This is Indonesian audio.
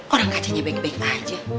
orang kacanya baik baik aja